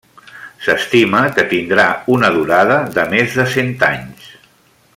S'estima que tindrà una durada de més de cent anys.